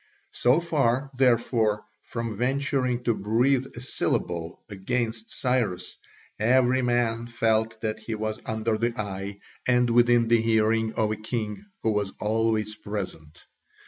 So far, therefore, from venturing to breathe a syllable against Cyrus, every man felt that he was under the eye and within the hearing of a king who was always present.